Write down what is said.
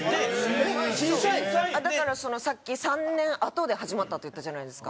だからさっき「３年あとで始まった」って言ったじゃないですか。